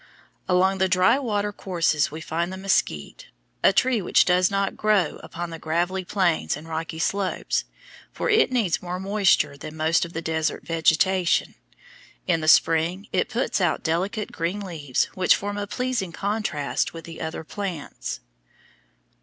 Along the dry water courses we find the mesquite, a tree which does not grow upon the gravelly plains and rocky slopes, for it needs more moisture than most of the desert vegetation. In the spring it puts out delicate green leaves which form a pleasing contrast with the other plants.